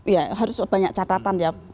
ya harus banyak catatan ya